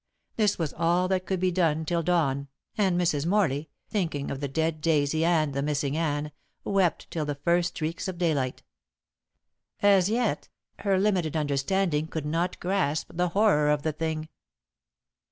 This was all that could be done till dawn, and Mrs. Morley, thinking of the dead Daisy and the missing Anne, wept till the first streaks of daylight. As yet her limited understanding could not grasp the horror of the thing.